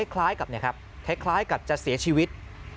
คล้ายกับคล้ายกับจะเสียชีวิต